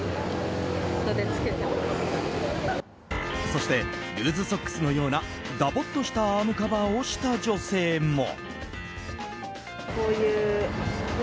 そしてルーズソックスのようなだぼっとしたアームカバーをした女性も。